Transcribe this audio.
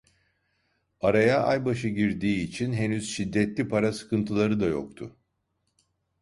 Araya ay başı girdiği için henüz şiddetli para sıkıntıları da yoktu.